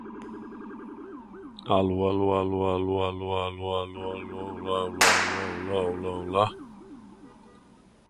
Cada raça de cachorro tem sua própria personalidade única e encantadora.